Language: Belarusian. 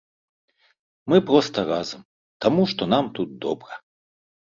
Мы проста разам, таму што нам тут добра.